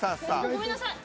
ごめんなさい。